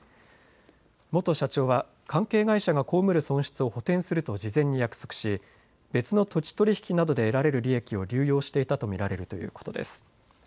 元社長は関係会社が被る損失を補填すると事前に約束し別の土地取り引きなどで得られる利益を流用していたと見られるということです。